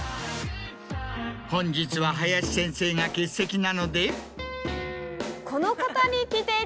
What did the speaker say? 本日は林先生が欠席なので。